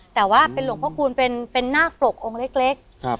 แต่ว่าหลวงพ่อคูณเป็นหน้ากรกองค์เล็ก